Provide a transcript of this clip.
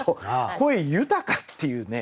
「声豊か」っていうね。